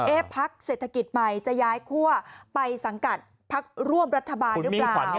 พักเศรษฐกิจใหม่จะย้ายคั่วไปสังกัดพักร่วมรัฐบาลหรือเปล่า